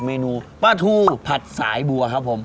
เมนูปลาทูผัดสายบัวครับผม